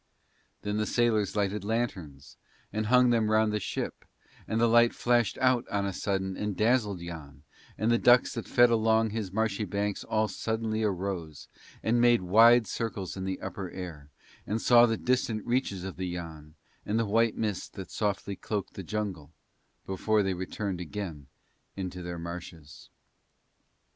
Then the sailors lighted lanterns and hung them round the ship, and the light flashed out on a sudden and dazzled Yann, and the ducks that fed along his marshy banks all suddenly arose, and made wide circles in the upper air, and saw the distant reaches of the Yann and the white mist that softly cloaked the jungle, before they returned again into their marshes.